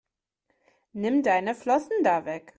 Nimm deine Flossen da weg!